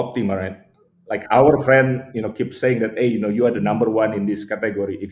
teman kami selalu mengatakan anda adalah nomor satu di kategori ini